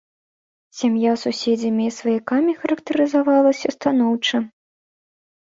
Сям'я суседзямі і сваякамі характарызавалася станоўча.